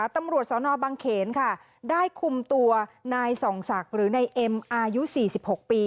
ตำรวจสนบังเขนค่ะได้คุมตัวนายส่องศักดิ์หรือนายเอ็มอายุ๔๖ปี